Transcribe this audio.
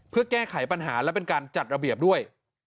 เพื่อแก้ไขปัญหาและเป็นการจัดระเบียบด้วย